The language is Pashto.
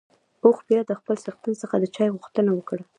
اوښ بيا د خپل څښتن څخه د چای غوښتنه وکړه.